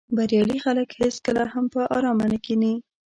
بریالي خلک هېڅکله هم په آرامه نه کیني.